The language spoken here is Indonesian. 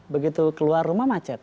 begitu keluar rumah macet